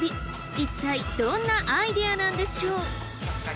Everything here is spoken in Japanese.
一体どんなアイデアなんでしょう？